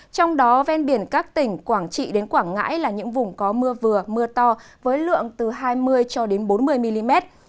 trong đó ven biển các tỉnh quảng trị đến quảng ngãi là những vùng có mưa vừa mưa to với lượng từ hai mươi cho đến bốn mươi mm